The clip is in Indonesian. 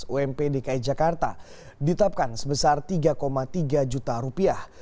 ump dki jakarta ditetapkan sebesar tiga tiga juta rupiah